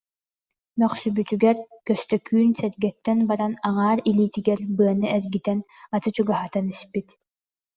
Мөхсүбүтүгэр, Көстөкүүн сэргэттэн баран аҥаар илиитигэр быаны эргитэн аты чугаһатан испит